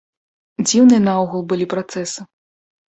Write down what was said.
Дзіўныя наогул былі працэсы.